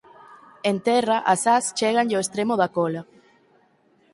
En terra as ás chéganlle ó extremo da cola.